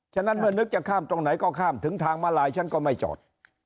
ฉะนั้นเมื่อนึกจะข้ามตรงไหนก็ข้ามถึงทางมาลายฉันก็ไม่จอด